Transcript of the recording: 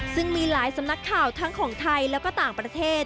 ซึ่งมีหลายสำนักข่าวทั้งของไทยแล้วก็ต่างประเทศ